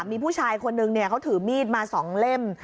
มีผู้ชายคนนึงเขาถือมีดมา๒เล่ม